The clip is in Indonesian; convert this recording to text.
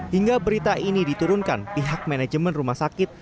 hingga berita ini diturunkan pihak manajemen rumah sakit